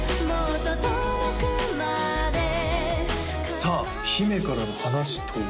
さあ姫からの話とは？